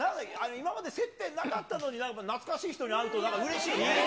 今まで接点なかったのに懐かしい人に会うと、なんかうれしいね。